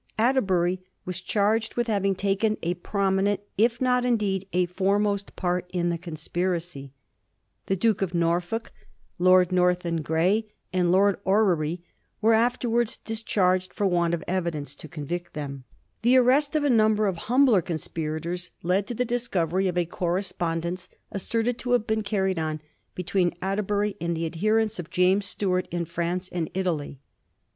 Atterbury was charged with having taken a prominent if not, indeed, a foremost part in the conspiracy. The Duke of Norfolk, Lord North and Digiti zed by Google 1722 TAXATION OF CATHOIJCS. 283 Grey, and Lord Orrery were afterwards discharged for want of evidence to convict them. The arrest of a number of humbler conspirators led to the dis covery of a correspondence asserted to have been carried on between Atterbury and the adherents of James Stuart in France and Italy.